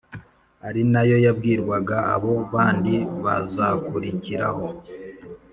ari na yo yabwirwaga abo bandi bazakurikiraho